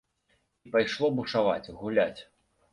І пайшло бушаваць, гуляць.